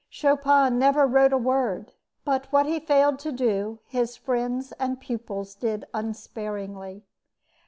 Chopin never wrote a word; but what he failed to do, his friends and pupils did unsparingly.